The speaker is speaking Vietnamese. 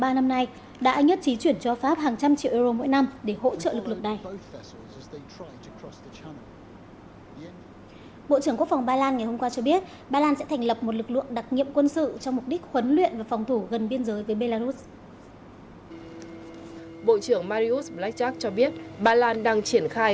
anh đã nhất trí chuyển cho pháp hàng trăm triệu euro mỗi năm để hỗ trợ lực lực này